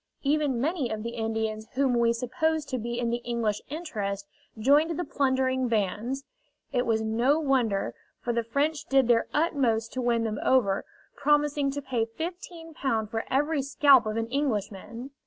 Even many of the Indians whom we supposed to be in the English interest joined the plundering bands; it was no wonder, for the French did their utmost to win them over, promising to pay Ł15 for every scalp of an Englishman!